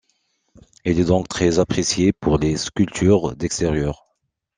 Il est donc très apprécié pour les sculptures d'extérieur.